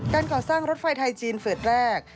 การก่อสร้างรถไฟไทยจีนเฟสแรก